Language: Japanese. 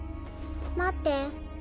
待って。